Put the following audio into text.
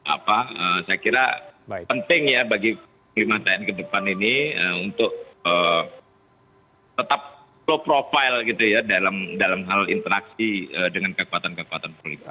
apa saya kira penting ya bagi panglima tni ke depan ini untuk tetap low profile gitu ya dalam hal interaksi dengan kekuatan kekuatan politik